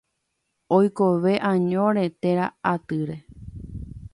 Oikove añóre térã atýre.